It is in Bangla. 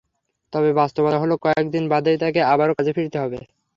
তবে, বাস্তবতা হলো কয়েক দিন বাদেই তাঁকে আবারও কাজে ফিরতে হবে।